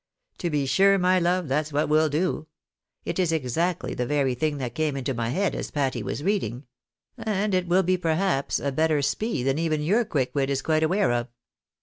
To be sure, my love, that's what we'll do ! It is exactly the very thing that came into my head as Patty was reading ; and it will be perhaps a better spec than even your quick wit is quite aware of.